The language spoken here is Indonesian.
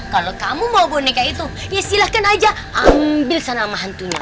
kalau kamu mau bunik kayak itu ya silahkan aja ambil sana sama hantunya